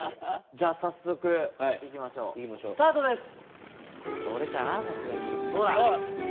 じゃあ早速いきましょうスタートです。